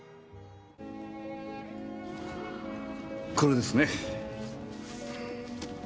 これですね。